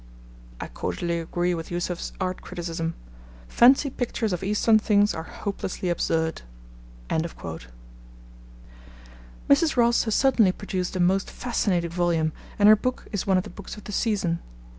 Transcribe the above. I cordially agree with Yoosuf's art criticism. Fancy pictures of Eastern things are hopelessly absurd. Mrs. Ross has certainly produced a most fascinating volume, and her book is one of the books of the season.